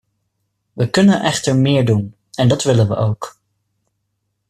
We kunnen echter meer doen, en dat willen we ook.